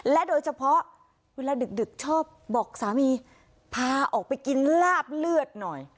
โดยเฉพาะเวลาดึกชอบบอกสามีพาออกไปกินลาบเลือดหน่อย